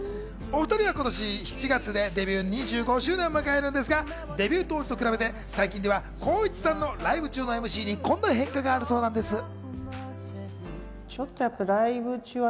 お２人は今年７月でデビュー２５周年を迎えるんですが、デビュー当時と比べて最近では光一さんのライブ中のＭＣにこんな変化があるそうなんです。